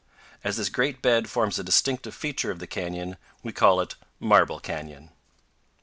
As this great bed forms a distinctive feature of the canyon, we call it Marble Canyon.